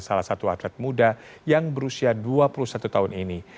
salah satu atlet muda yang berusia dua puluh satu tahun ini